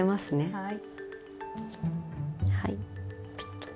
はい。